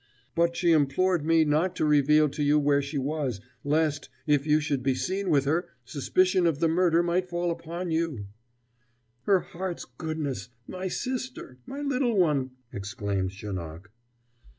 But she implored me not to reveal to you where she was, lest, if you should be seen with her, suspicion of the murder should fall upon you " "Her heart's goodness! My sister! My little one!" exclaimed Janoc.